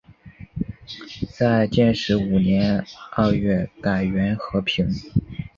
在建始五年二月改元河平。